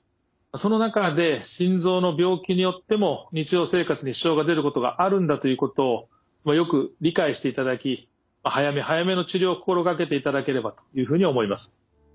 その中で心臓の病気によっても日常生活に支障が出ることがあるんだということをよく理解していただき早め早めの治療を心掛けていただければというふうに思います。